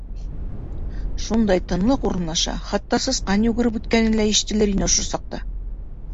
Шундай тынлыҡ урынлаша, хатта сысҡан йүгереп үткәне лә ишетелер ине ошо саҡта.